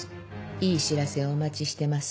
いい知らせをお待ちしてます。